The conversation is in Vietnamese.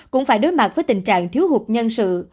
cũng phải đối mặt với tình trạng thiếu hụt nhân sự